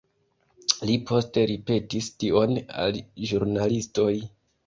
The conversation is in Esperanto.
Li poste ripetis tion al ĵurnalistoj.